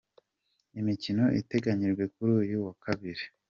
Imikino iteganyijwe kuri uyu wa Kabiri.